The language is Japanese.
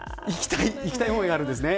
行きたい思いがあるんですね。